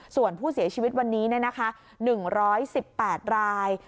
ส่วนผู้เสียชีวิตวันนี้เนี่ยนะคะ๑๑๘ราย